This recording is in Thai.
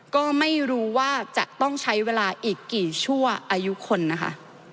ก็ไม่รู้ว่าจะต้องใช้เวลาอีกกี่ชั่วอายุคนนะคะ